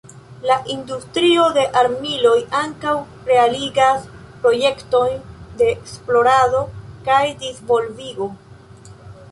La industrio de armiloj ankaŭ realigas projektojn de esplorado kaj disvolvigo.